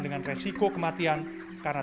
dengan resiko kematian karena